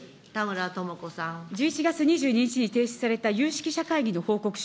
１１月２２日に提出された有識者会議の報告書。